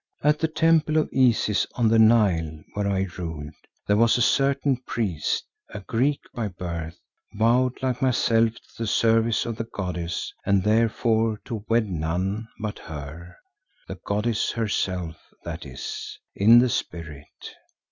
At a temple of Isis on the Nile where I ruled, there was a certain priest, a Greek by birth, vowed like myself to the service of the goddess and therefore to wed none but her, the goddess herself—that is, in the spirit.